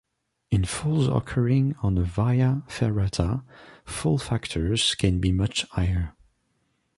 In falls occurring on a via ferrata, fall factors can be much higher.